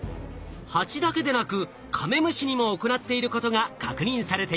ハチだけでなくカメムシにも行っていることが確認されています。